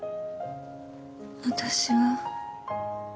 私は。